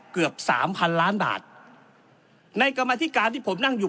เกือบสามพันล้านบาทในกรรมธิการที่ผมนั่งอยู่